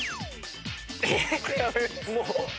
えっ⁉